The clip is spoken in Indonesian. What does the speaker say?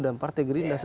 dan partai gerindas